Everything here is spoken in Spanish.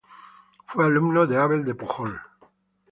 Fue alumno de Abel de Pujol.